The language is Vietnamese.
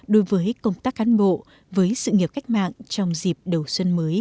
đối với công tác cán bộ với sự nghiệp cách mạng trong dịp đầu xuân mới hai nghìn một mươi chín